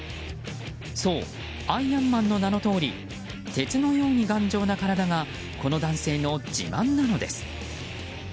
そう、アイアンマンの名のとおり鉄のように頑丈な体がこの男性の自慢なのです。